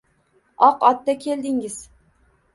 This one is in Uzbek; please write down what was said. Oq otda keldingiz